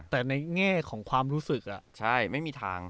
แต่ในแง่ของความรู้สึกไม่มีทาง